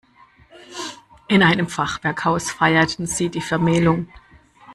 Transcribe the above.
In einem Fachwerkhaus feierten sie die Vermählung.